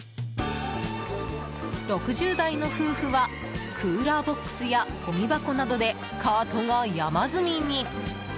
６０代の夫婦はクーラーボックスやごみ箱などでカートが山積みに。